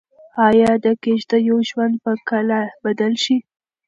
ايا د کيږديو ژوند به کله بدل شي؟